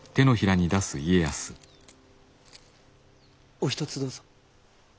お一つどうぞ。